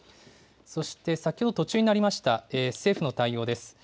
そして先ほど、途中になりました、政府の対応です。